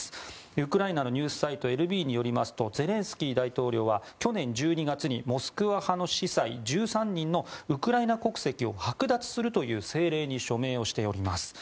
ウクライナのニュースサイトＬＢによりますとゼレンスキー大統領は去年１２月にモスクワ派の司祭１３人のウクライナ国籍をはく奪するという政令に署名しております。